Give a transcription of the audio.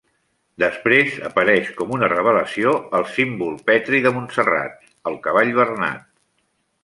Després apareix com una revelació el símbol petri de Montserrat: el Cavall Bernat.